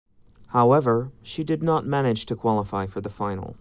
However, she did not manage to qualify for the final.